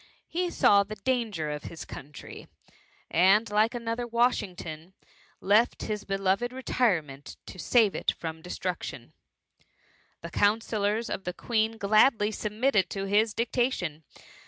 He saw the danger of his country, and like another Washington, left his beloved retirement to save it from destruc tion. The counsellors of the Queen gladly submitted to his dictation.